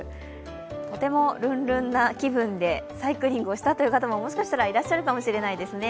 とてもルンルンな気分でサイクリングをしたという方ももしかしたらいらっしゃるかもしれないですね。